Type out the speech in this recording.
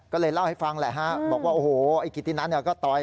ก็เลยเล่าให้ฟังแหละฮะบอกว่าโอ้โหไอ้กิตินัทก็ต่อย